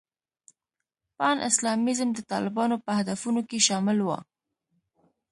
پان اسلامیزم د طالبانو په هدفونو کې شامل و.